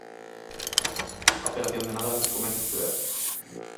A operación de Nadal comeza este venres.